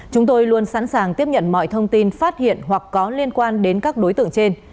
chúng tôi luôn sẵn sàng tiếp nhận mọi thông tin phát hiện hoặc có liên quan đến các đối tượng trên